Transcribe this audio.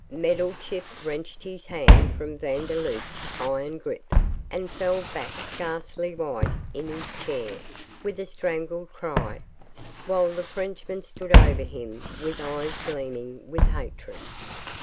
Meddlechip wrenched his hand from Vandeloup's iron grip and fell back ghastly white in his chair, with a strangled cry, while the Frenchman stood over him with eyes gleaming with hatred.